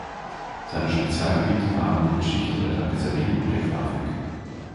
Seine Spezialgebiete waren die Geschichte der Tapisserie und der Graphik.